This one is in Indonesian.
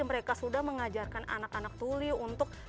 mereka sudah mengajarkan anak anak tuli untuk